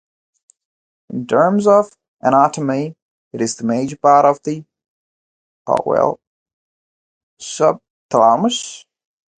In terms of anatomy, it is the major part of the subthalamus.